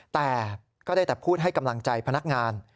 แต่ก็ได้แต่พูดให้กำลังใจพนักงาน